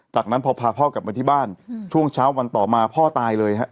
จากนั้นพอพาพ่อกลับมาที่บ้านช่วงเช้าวันต่อมาพ่อตายเลยฮะ